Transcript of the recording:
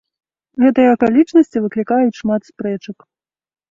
Гэтыя акалічнасці выклікаюць шмат спрэчак.